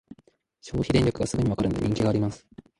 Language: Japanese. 消費電力がすぐにわかるので人気があります